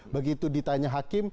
begitu ditanya hakim